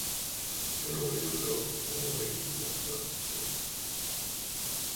En Nueva York trabajó con Benny Goodman y Fred Rich.